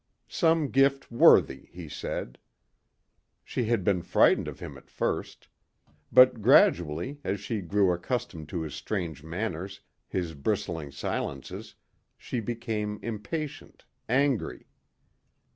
Some gift worthy, he said. She had been frightened of him at first. But gradually as she grew accustomed to his strange manners, his bristling silences, she became impatient, angry.